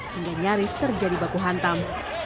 hingga nyaris terjadi baku hantam